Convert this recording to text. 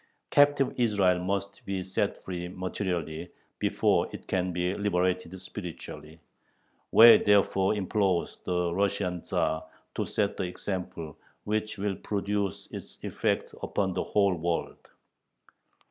Captive Israel must be set free materially, before it can be liberated spiritually. Way therefore implores the Russian Tzar to set the example, "which will produce its effect upon the whole world."